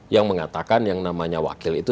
yang mengatakan yang namanya wakil itu